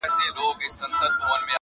تا پخپله جواب کړي وسیلې دي!